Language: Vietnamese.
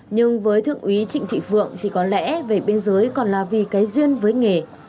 nhưng với thượng úy trịnh thị phượng thì có lẽ về biên giới còn là vì cái duyên với nghề